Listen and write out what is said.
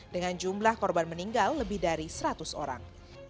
dengan jumlah korban meninggal lebih dari seratus orang